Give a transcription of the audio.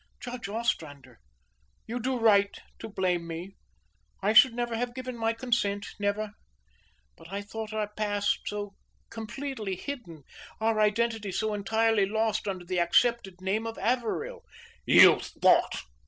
"Judge Ostrander, you do right to blame me. I should never have given my consent, never. But I thought our past so completely hidden our identity so entirely lost under the accepted name of Averill." "You thought!"